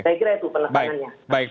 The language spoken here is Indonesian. saya kira itu penekanannya